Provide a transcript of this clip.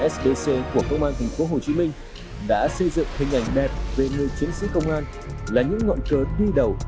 sbc của công an tp hồ chí minh đã xây dựng hình ảnh đẹp về người chiến sĩ công an là những ngọn cớ đi đầu